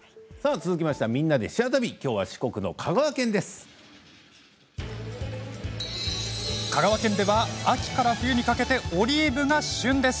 続いては「みんなでシェア旅」きょうは四国の香川県です。